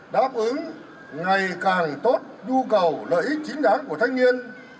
đáp ứng ngày càng tốt nhu cầu lợi ích chính đáng của thanh niên